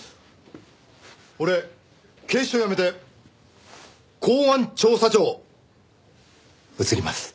俺警視庁辞めて公安調査庁移ります。